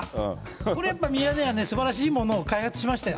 これやっぱり、ミヤネ屋、すばらしいものを開発しましたよ。